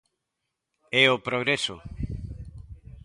_É o progreso.